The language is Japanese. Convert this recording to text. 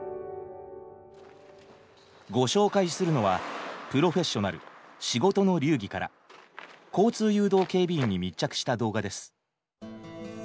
ご紹介するのは「プロフェッショナル仕事の流儀」から交通誘導警備員に密着した動画です。